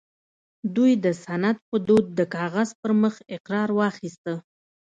دوی د سند په دود د کاغذ پر مخ اقرار واخيسته